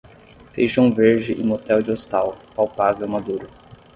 Feijão verde e motel de hostal, palpável maduro.